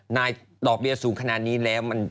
ดอกเบี้ยสูงขนาดนี้แล้ว